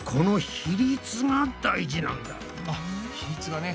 比率がね。